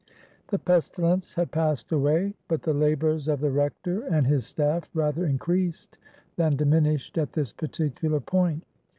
The pestilence had passed away. But the labors of the Rector and his staff rather increased than diminished at this particular point.